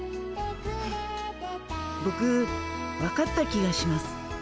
ボク分かった気がします。